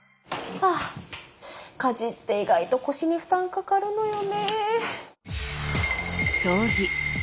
はぁ家事って意外と腰に負担かかるのよね。